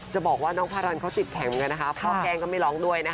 จะบอกว่าน้องพารันเขาจิตแข็งเหมือนกันนะคะพ่อแกล้งก็ไม่ร้องด้วยนะคะ